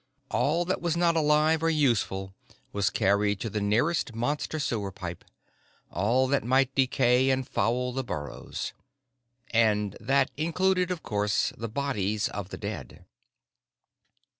All that was not alive or useful was carried to the nearest Monster sewer pipe, all that might decay and foul the burrows. And that included, of course, the bodies of the dead.